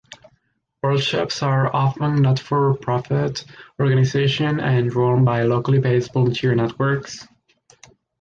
Worldshops are often not-for-profit organizations and run by locally based volunteer networks.